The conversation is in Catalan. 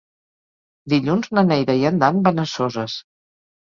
Dilluns na Neida i en Dan van a Soses.